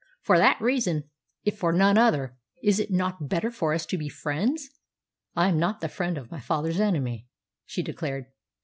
For that reason, if for none other, is it not better for us to be friends?" "I am not the friend of my father's enemy!" she declared.